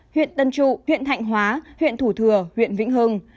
huyện tân trụ huyện thạnh hóa huyện thủ thừa huyện vĩnh hưng